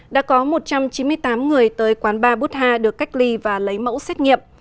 đã có một trăm chín mươi tám người tới quán ba butha được cách ly và lấy mẫu xét nghiệm